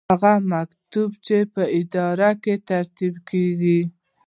هغه مکتوب چې په اداره کې ترتیبیږي.